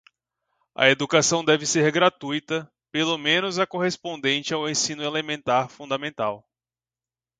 A educação deve ser gratuita, pelo menos a correspondente ao ensino elementar fundamental.